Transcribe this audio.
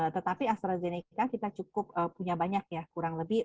tetapi astrazeneca kita cukup punya banyak ya kurang lebih